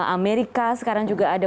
amerika sekarang juga ada